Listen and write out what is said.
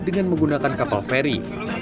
dengan menggunakan kapal feri